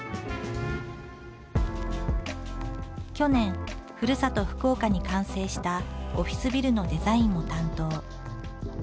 去年ふるさと福岡に完成したオフィスビルのデザインも担当。